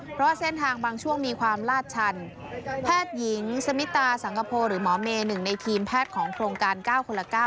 เพราะเส้นทางบางช่วงมีความลาดชันแพทย์หญิงสมิตาสังคโภหรือหมอเมหนึ่งในทีมแพทย์ของโครงการ๙คนละ๙